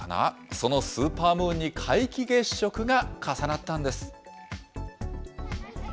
そのスーパームーンに皆既月食が重なったんです。